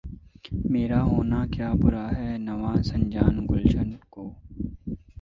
میرا ہونا برا کیا ہے‘ نوا سنجانِ گلشن کو!